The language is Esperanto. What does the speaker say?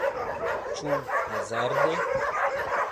Ĉu hazarde?